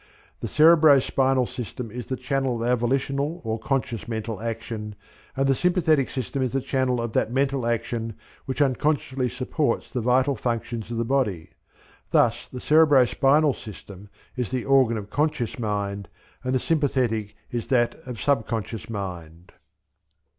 The cerebro spinal system is the channel of our volitional or conscious mental action, and the sympathetic system is the channel of that mental action which unconsciously supports the vital functions of the body. Thus the cerebro spinal system is the organ of conscious mind and the sympathetic is that of sub conscious mind.